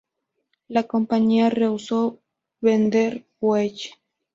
La compañía rehusó vender Buell.